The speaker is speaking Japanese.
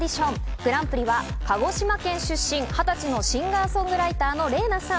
グランプリは鹿児島県出身２０歳のシンガー・ソングライター、麗奈さん。